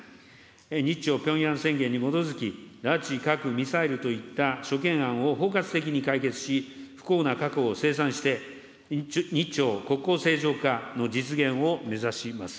日中ピョンヤン宣言に基づき拉致、核・ミサイルといった諸懸案を包括的に解決し、不幸な過去を清算して、日朝国交正常化の実現を目指します。